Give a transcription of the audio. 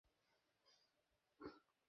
ওটা তুলে নাও।